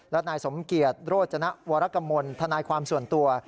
และนายสมเกียจโรจนวรกมลทนายความส่วนตัว